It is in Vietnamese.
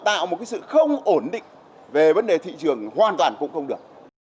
tạo một cái sự không ổn định về vấn đề thị trường hoàn toàn cũng không được